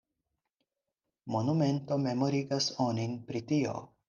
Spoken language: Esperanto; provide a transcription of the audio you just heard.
Monumento memorigas onin pri tio.